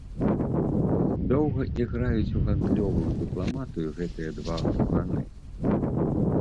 Доўга іграюць у гандлёвую дыпламатыю гэтыя два груганы.